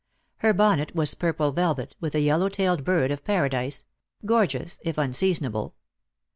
Her bonnet was purple velvet, with a yellow tailed bird of paradise — gorgeous if unseasonable.